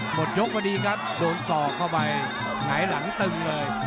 หมดยกพอดีครับโดนศอกเข้าไปหงายหลังตึงเลย